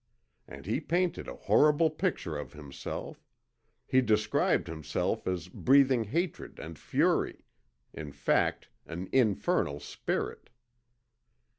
And he painted a horrible picture of himself; he described himself as breathing hatred and fury; in fact, an infernal spirit.